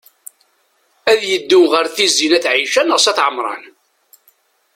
Ad yeddu ɣer Tizi n at Ɛica neɣ s at Ɛemṛan?